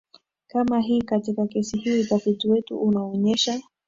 kama hii Katika kesi hii utafiti wetu unaonyesha